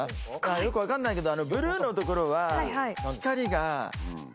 よく分かんないけど。